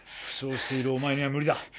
負傷しているお前には無理だ。